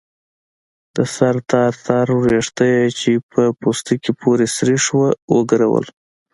د سر تار تار ويښته يې چې په پوستکي پورې سرېښ وو وګرول.